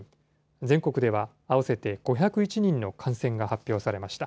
全国では合わせて５０１人の感染が発表されました。